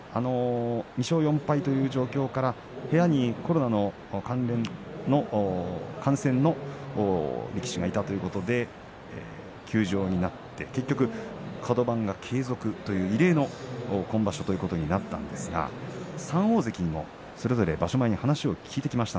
２勝４敗という状況から部屋にコロナ感染の力士がいたということで休場になって結局カド番が継続という異例の今場所ということになったわけですが３大関にもそれぞれ場所前に話を聞いています。